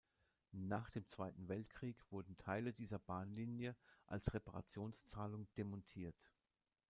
Nach dem Zweiten Weltkrieg wurden Teile dieser Bahnlinie als Reparationszahlung demontiert.